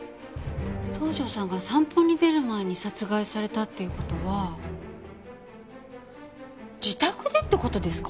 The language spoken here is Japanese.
東条さんが散歩に出る前に殺害されたっていう事は自宅でって事ですか！？